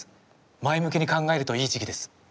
前向きに考えるといい時期です。